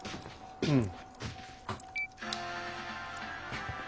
うん。